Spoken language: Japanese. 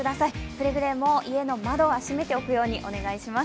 くれぐれも家の窓は閉めておくようにお願いします。